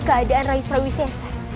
keadaan rai surawi sesar